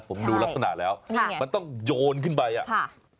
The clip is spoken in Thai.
ผมดูลักษณะแล้วมันต้องโยนขึ้นไป